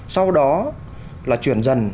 sau đó là chuyển dần